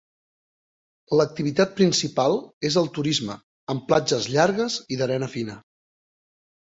L'activitat principal és el turisme, amb platges llargues i d'arena fina.